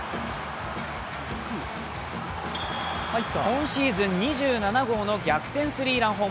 今シーズン２７号の逆転スリーラン。